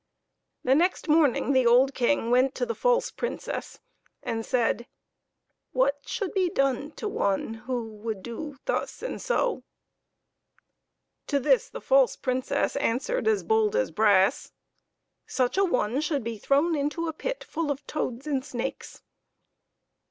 The next morning the old King went to the false Princess, and said, " What should be done to one who would do thus and so?" To this the false Princess answered, as bold as brass, " Such a one should be thrown into a pit full of toads and snakes."